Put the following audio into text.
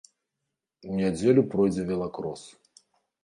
У нядзелю пройдзе велакрос.